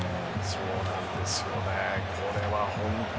そうなんですよね。